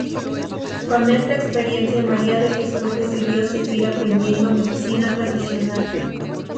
Con esta experiencia María de Jesús decidió seguir aprendiendo medicina tradicional.